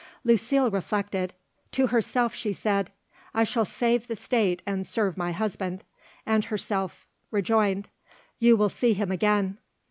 Lucile reflected. To herself she said, "I shall save the State and serve my husband;" and herself rejoined, "You will see him again."